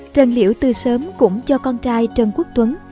trần liễu từ sớm cũng cho con trai trần quốc tuấn